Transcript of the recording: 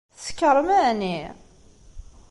Tsekṛem, ɛni?